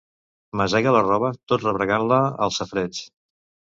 Masega la roba tot rebregant-la al safareig.